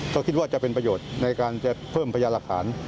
ก็คิดว่าจะเป็นประโยชน์ในการจะเพิ่มพยานหลักฐาน